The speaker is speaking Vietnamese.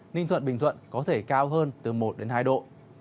ninh thuận bình thuận có thể cao hơn từ một đến hai độ